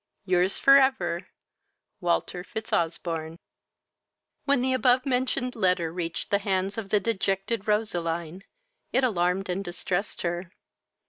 Your's forever, WALTER FITZOSBOURNE When the above mentioned letter reached the hands of the dejected Roseline, it alarmed and distressed her.